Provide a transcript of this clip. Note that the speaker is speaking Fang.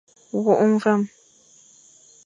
Wôkh mvam.